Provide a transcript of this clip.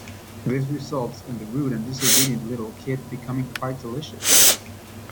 This results in the "rude and disobedient little kid" becoming "quite delicious.